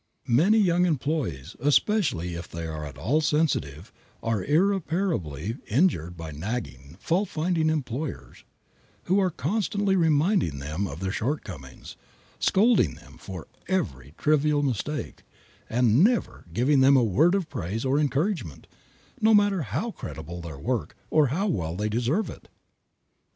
Many young employees, especially if they are at all sensitive, are irreparably injured by nagging, fault finding employers, who are constantly reminding them of their shortcomings, scolding them for every trivial mistake, and never giving them a word of praise or encouragement, no matter how creditable their work, or how well they deserve it.